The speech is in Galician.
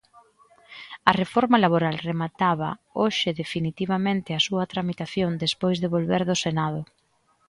A reforma laboral remataba hoxe definitivamente a súa tramitación despois de volver do Senado.